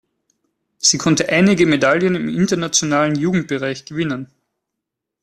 Sie konnte einige Medaillen im internationalen Jugendbereich gewinnen.